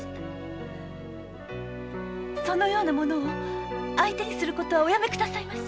そのような者を相手にすることはおやめくださいまし！